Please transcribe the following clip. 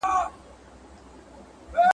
تور او سور زرغون بیرغ به بیا پر دې سیمه رپیږي ..